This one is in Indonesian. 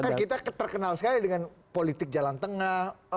tapi kan kita terkenal sekali dengan politik jalan tengah